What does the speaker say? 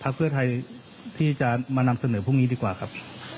เพื่อไทยที่จะมานำเสนอพรุ่งนี้ดีกว่าครับ